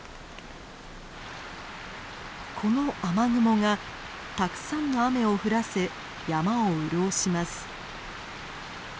この雨雲がたくさんの雨を降らせ山を潤します。